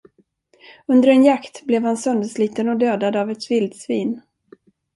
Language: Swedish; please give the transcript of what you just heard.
Under en jakt blev han söndersliten och dödad av ett vildsvin.